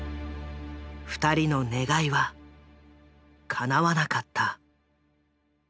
２人の願いはかなわなかった。